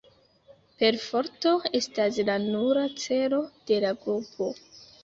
Perforto estas la nura celo de la grupo.